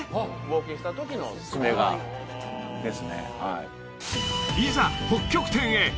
冒険した時の爪がですねいざ北極点へ！